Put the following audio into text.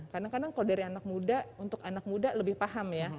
kadang kadang kalau dari anak muda untuk anak muda lebih paham ya